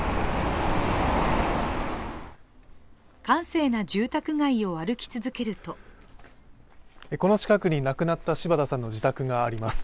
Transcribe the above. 閑静な住宅街を歩き続けるとこの近くに亡くなった柴田さんの自宅があります。